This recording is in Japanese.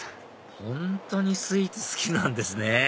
本当にスイーツ好きなんですね